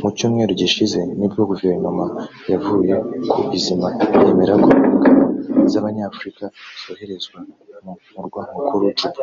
Mu cyumweru gishize nibwo Guverinoma yavuye ku izima yemera ko ingabo z’Abanyafurika zoherezwa mu murwa mukuru Juba